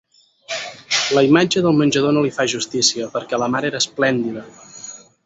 La imatge del menjador no li fa justícia, perquè la mare era esplèndida.